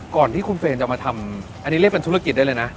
ก่อนที่คุณเฟรนจะมาทำอันนี้เรียกเป็นธุรกิจได้เลยนะ